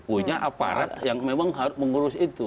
punya aparat yang memang harus mengurus itu